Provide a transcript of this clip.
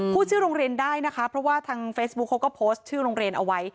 ชื่อโรงเรียนได้นะคะเพราะว่าทางเฟซบุ๊คเขาก็โพสต์ชื่อโรงเรียนเอาไว้